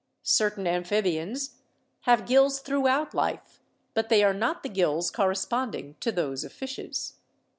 Certain amphibians have gills throughout life, but they are not the gills corresponding to those of fishes.